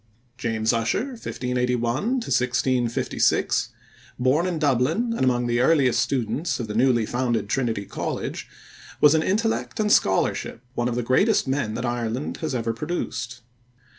James Ussher (1581 1656), born in Dublin and among the earliest students of the newly founded Trinity College, was in intellect and scholarship one of the greatest men that Ireland has ever produced.